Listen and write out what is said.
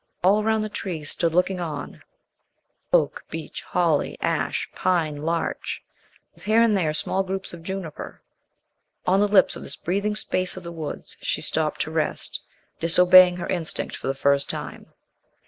All round the trees stood looking on oak, beech, holly, ash, pine, larch, with here and there small groups of juniper. On the lips of this breathing space of the woods she stopped to rest, disobeying her instinct for the first time.